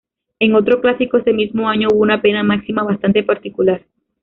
En otro clásico ese mismo año hubo una pena máxima bastante particular.